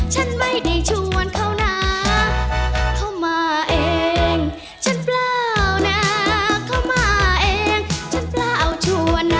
ฉันไม่ได้ชวนเขานะเข้ามาเองฉันเปล่านะเข้ามาเองฉันเปล่าชวนนะ